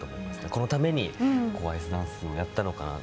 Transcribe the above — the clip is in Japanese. このためにアイスダンスをやったのかなと。